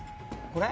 これ？